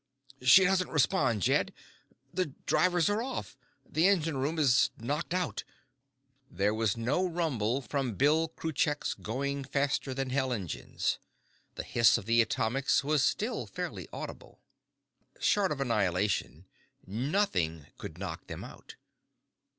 "She doesn't respond, Jed. The drivers are off. The engine room is knocked out." There was no rumble from Bill Kruchek's going faster than hell engines. The hiss of the atomics was still faintly audible. Short of annihilation, nothing could knock them out.